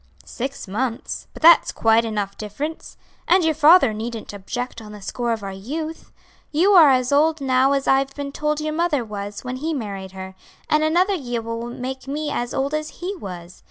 "Six months; but that's quite enough difference. And your father needn't object on the score of our youth. You are as old now as I've been told your mother was when he married her, and another year will make me as old as he was.